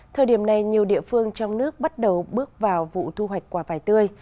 thời điểm này nhiều địa phương trong nước bắt đầu bước vào vụ thu hoạch quả vải tươi